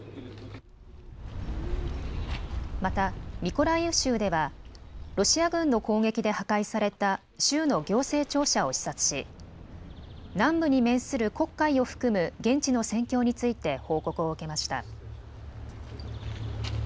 またミコライウ州ではロシア軍の攻撃で破壊された州の行政庁舎を視察し南部に面する黒海を含む現地の戦況について報告を受けました。